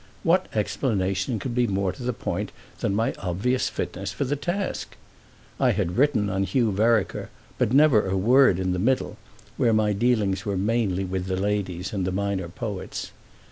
What explanation could be more to the point than my obvious fitness for the task? I had written on Hugh Vereker, but never a word in The Middle, where my dealings were mainly with the ladies and the minor poets.